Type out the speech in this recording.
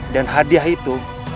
dan hadiah itu